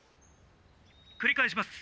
「くり返します。